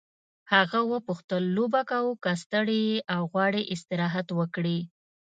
هغه وپوښتل لوبه کوو که ستړی یې او غواړې استراحت وکړې.